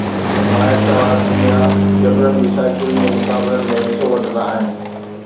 ماهر سوار دنيا جبلن جي سائيڪلن جي مقابلن ۾ حصو وٺندا آهن